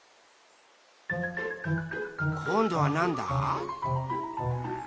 こんどはなんだ？